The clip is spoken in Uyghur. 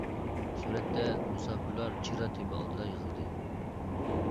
سۈرەتتە، مۇساپىرلار چېگرا تېمى ئالدىدا يىغىلدى.